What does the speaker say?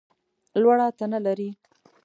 لوړه تنه لرې !